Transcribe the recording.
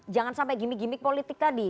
jangan sampai gimmick gimmick politik tadi